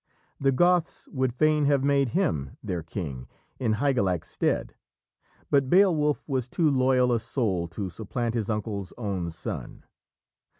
The Goths would fain have made him their King, in Hygelac's stead, but Beowulf was too loyal a soul to supplant his uncle's own son.